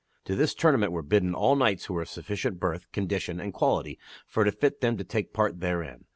To this tournament were bidden all knights who were of sufficient birth, condition, and quality for to fit them to take part therein.